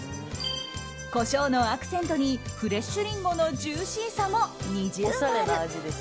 コショウのアクセントにフレッシュリンゴのジューシーさも二重丸。